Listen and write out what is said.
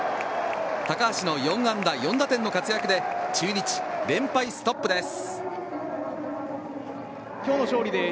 高橋の４安打４打点の活躍で中日、連敗ストップです。